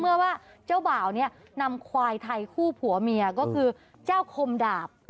ว่าเจ้าบ่าวเนี่ยนำควายไทยคู่ผัวเมียก็คือเจ้าคมดาบ